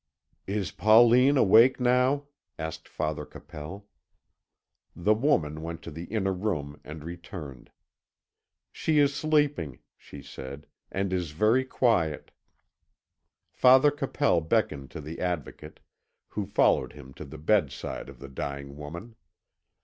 "Is Pauline awake now?" asked Father Capel. The woman went to the inner room and returned. "She is sleeping," she said, "and is very quiet." Father Capel beckoned to the Advocate, who followed him to the bedside of the dying woman.